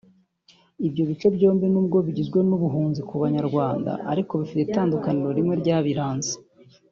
Ibyo bice byombi n’ubwo bigizwe n’ubuhunzi ku Banyarwanda ariko bifite itandukaniro rimwe ryabiranze